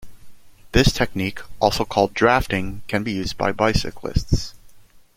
This technique, also called Drafting can be used by bicyclists.